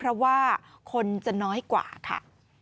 เพราะว่าคนจะน้อยกว่าค่ะ